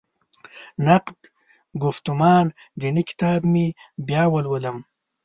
نقد ګفتمان دیني کتاب مې بیا ولولم.